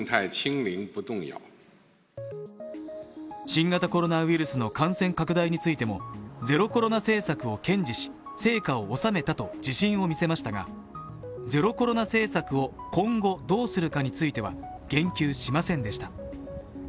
新型コロナウイルスの感染拡大についてもゼロコロナ政策を堅持し、成果を収めたと自信を見せましたが、ゼロコロナ政策を今後、どうするかについては言及しませんでした。